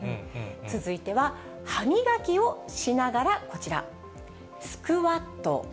続いては歯磨きをしながら、こちら、スクワット。